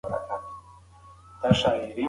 خپل ښوونځي او د علم مرکزونه پاک وساتئ.